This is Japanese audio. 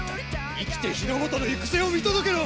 生きて日の本の行く末を見届けろ。